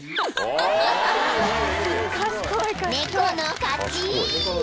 ［猫の勝ち！］